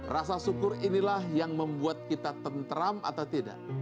rasa syukur inilah yang membuat kita tentram atau tidak